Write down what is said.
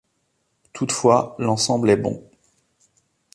Toutefois l’ensemble est bon.